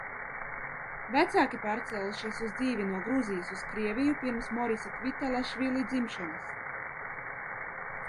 Vecāki pārcēlušies uz dzīvi no Gruzijas uz Krieviju pirms Morisa Kvitelašvili dzimšanas.